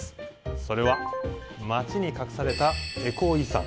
それは街に隠されたエコー遺産。